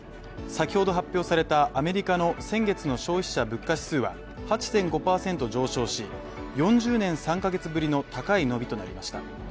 先ほど発表されたアメリカの先月の消費者物価指数は８．５％上昇し、４０年３カ月ぶりの高い伸びとなりました。